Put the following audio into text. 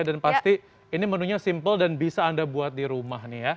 dan pasti ini menunya simple dan bisa anda buat di rumah nih ya